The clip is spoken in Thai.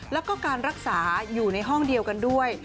แล้วก็การรักษาอยู่ในห้องเดียวกันด้วย